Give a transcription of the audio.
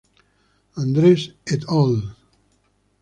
Andres "et al".